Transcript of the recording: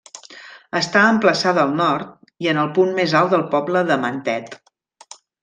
Està emplaçada al nord i en el punt més alt del poble de Mentet.